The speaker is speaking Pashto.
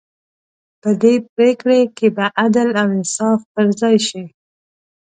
په دې پرېکړې کې به عدل او انصاف پر ځای شي.